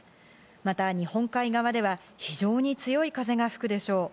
また日本海側では非常に強い風が吹くでしょう。